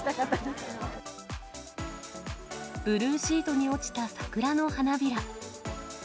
ブルーシートに落ちた桜の花びら。